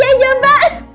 ya kan beneran cis